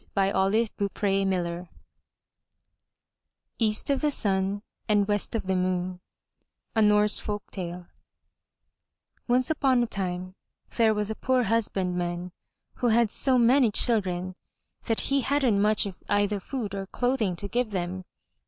398 THROUGH FAIRY HALLS EAST O' THE SUN AND WEST O' THE MOON A Norse Folk Tale Once upon a time there was a poor husbandman who had so many children that he hadn't much of either food or clothing to give them.